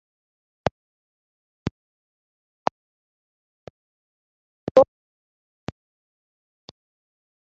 rero naje kwigira inama yo kujya kwiga karate ngo nzakubite papa mwice